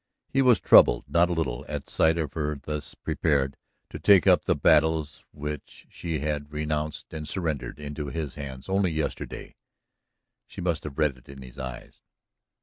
He was troubled not a little at sight of her thus prepared to take up the battles which she had renounced and surrendered into his hands only yesterday. She must have read it in his eyes.